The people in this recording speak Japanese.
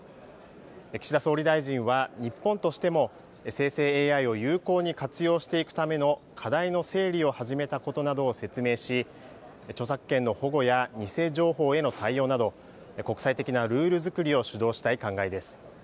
岸田総理大臣は日本としても生成ＡＩを有効に活用していくための課題の整理を始めたことなどを説明し、著作権の保護や偽情報への対応など国際的なルール作りを主導したい考えです。